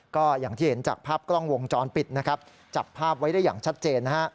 ก็อย่างที่เห็นจากภาพกล้องวงจรปิดนะครับจับภาพไว้ได้อย่างชัดเจนนะฮะ